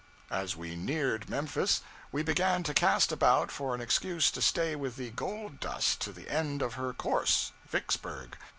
As we neared Memphis, we began to cast about for an excuse to stay with the 'Gold Dust' to the end of her course Vicksburg.